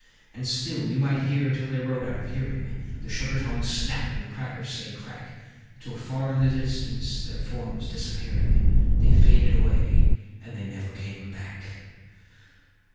And still you might hear, till they rode out of hearing, The Sugar tongs snap, and the Crackers say "Crack!" Till, far in the distance their forms disappearing, They faded away; and they never came back!